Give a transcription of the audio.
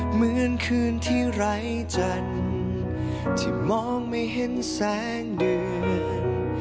เหมือนคืนที่ไร้จันทร์ที่มองไม่เห็นแสงเดือน